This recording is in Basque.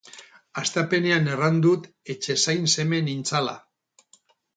Hastapenean erran dut etxezain seme nintzala.